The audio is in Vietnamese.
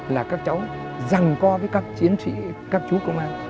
là các cháu rằng co với các chiến sĩ các chú công an